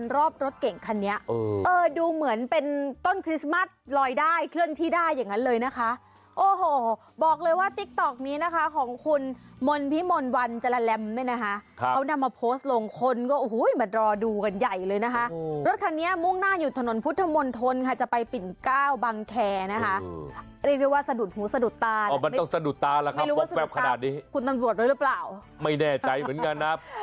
เรื่องนี้ก็เลยโด่งดังจริงโอ้โหหลายคนกดไลค์กดแชร์